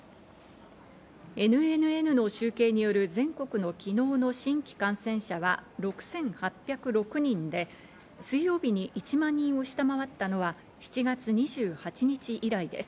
ＮＮＮの集計による全国の昨日の新規感染者は６８０６人で水曜日に１万人を下回ったのは７月２８日以来です。